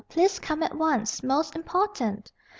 Please come at once. Most important."